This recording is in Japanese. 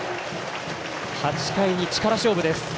８回に力勝負です。